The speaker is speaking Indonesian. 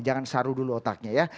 jangan saru dulu otaknya ya